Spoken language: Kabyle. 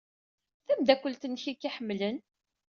Tameddakelt-nnek ay k-iḥemmlen.